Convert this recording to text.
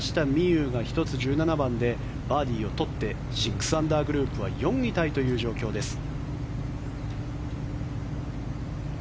有が１つ、１７番でバーディーを取って６アンダーグループは４位タイという状況です。